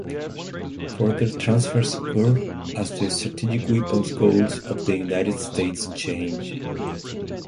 Further transfers occur as the strategic weapons goals of the United States change.